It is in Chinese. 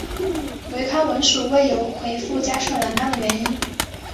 唯康文署未有回覆加设栏杆的原因。